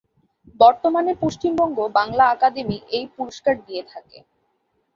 বর্তমানে পশ্চিমবঙ্গ বাংলা আকাদেমি এই পুরস্কার দিয়ে থাকে।